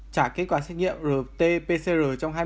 trả kết quả xét nghiệm rt pcr trong hai mươi bốn h